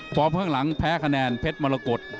พร้อมข้างหลังแพ้คะแนนเพชรมรกฎ